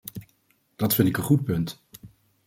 Dat vind ik een goed punt.